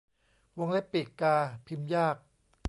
วงเล็บปีกกาพิมพ์ยาก